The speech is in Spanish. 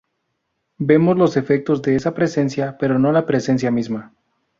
Vemos los efectos de esa presencia, pero no la presencia misma.